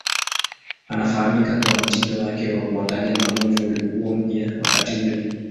Anafahamika kwa mtindo wake wa kuangalia magonjwa uliokuwa mpya wakati ule.